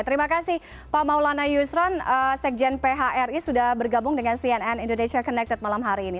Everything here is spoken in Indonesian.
terima kasih pak maulana yusron sekjen phri sudah bergabung dengan cnn indonesia connected malam hari ini